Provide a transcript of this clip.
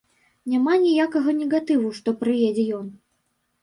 Няма ніякага негатыву, што прыедзе ён.